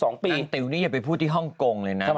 สองปีติ๋วนี่อย่าไปพูดที่ฮ่องกงเลยนะ